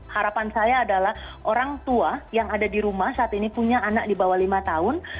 harapan saya adalah orang tua yang ada di rumah saat ini punya anak di bawah lima tahun